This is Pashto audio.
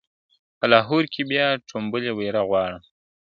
په لاهور کي بیا ټومبلی بیرغ غواړم `